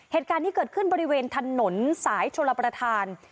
เหตุการณ์นี้เกิดขึ้นบริเวณถนนสายชลประธาน